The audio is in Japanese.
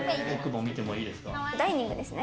こちらダイニングですね。